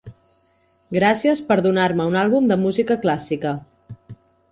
Gràcies per donar-me un àlbum de música clàssica.